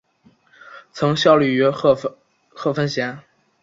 曾效力于贺芬咸。